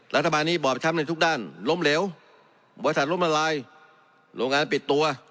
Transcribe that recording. รัฐบาลนี้บอบช้ำในทุกด้านล้มเหลวบริษัทล้มละลายโรงงานปิดตัว